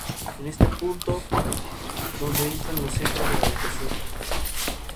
Es en este punto donde entran los Centros de Rehabilitación.